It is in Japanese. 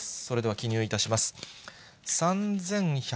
それでは記入いたします。